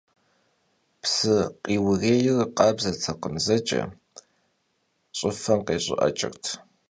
Psı khiurêyr khabzetekhım zeç'e, ş'ıfem khêş'ı'eç'ırt.